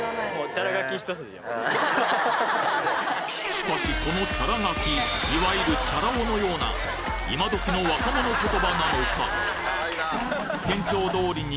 しかしこのチャラ書きいわゆる今どきの若者言葉なのか？